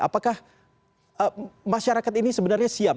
apakah masyarakat ini sebenarnya siap